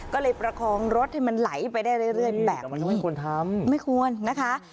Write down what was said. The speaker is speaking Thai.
ก็เลยประคองรถให้มันไหลไปได้เรื่อยแบบมันไม่ควรทำไม่ควรนะคะ